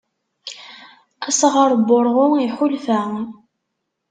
Asɣar s wurɣu iḥulfa.